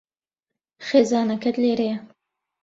خێزانەکەت لێرەیە.